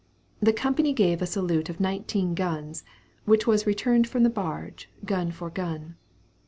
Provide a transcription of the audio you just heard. The company gave a salute of nineteen guns, which was returned from the barge, gun for gun.